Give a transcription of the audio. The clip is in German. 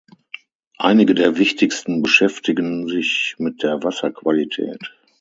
Einige der wichtigsten beschäftigen sich mit der Wasserqualität.